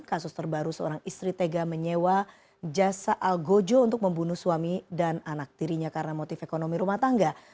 kasus terbaru seorang istri tega menyewa jasa al gojo untuk membunuh suami dan anak tirinya karena motif ekonomi rumah tangga